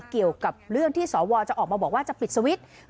เกี่ยวกับเรื่องที่สวจะออกมาบอกว่าจะปิดสวิตช์